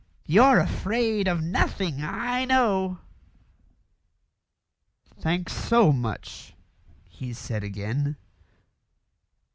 You're afraid of nothing, I know." "Thanks so much," he said again.